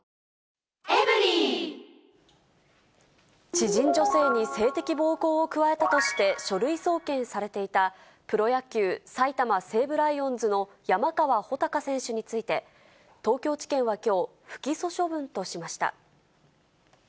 知人女性に性的暴行を加えたとして書類送検されていた、プロ野球・埼玉西武ライオンズの山川穂高選手について、東京地検はきょう、不起訴処分としました。